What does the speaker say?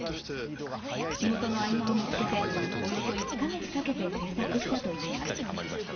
仕事の合間を見つけて、およそ１カ月かけて製作したといいます。